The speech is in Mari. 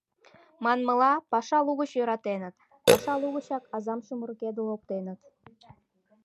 Манмыла, паша лугыч йӧратеныт, паша лугычак азам чумыркедыл оптеныт.